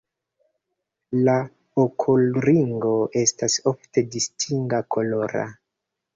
La okulringo estas ofte distinga kolora.